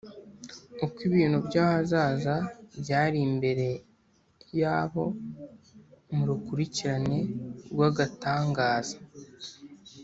Uko ibintu by’ahazaza byari imbere yabo mu rukurikirane rwagatangaza